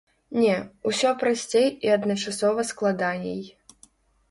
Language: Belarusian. Не, усё прасцей і адначасова складаней.